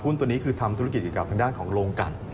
ตัวนี้คือทำธุรกิจอยู่กับทางด้านของโรงกัด